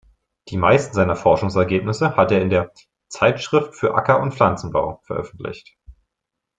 Die meisten seiner Forschungsergebnisse hat er in der „Zeitschrift für Acker- und Pflanzenbau“ veröffentlicht.